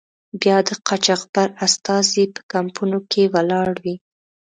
بیا د قاچاقبر استازی په کمپونو کې ولاړ وي.